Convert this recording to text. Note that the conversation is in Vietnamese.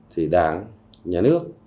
thì đảng nhà nước